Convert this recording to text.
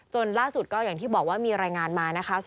ล่าสุดก็อย่างที่บอกว่ามีรายงานมานะคะ